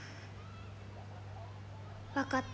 分かった。